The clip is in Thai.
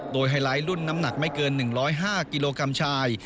โดยไฮไลท์รุ่นน้ำหนักไม่เกิน๑๐๕กิโลกรัมชาย